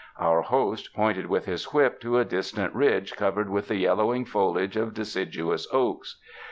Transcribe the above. Our host pointed with his whip to a distant ridge covered with the yellowing foliage of deciduous oaks.